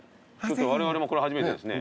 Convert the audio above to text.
われわれもこれ初めてですね。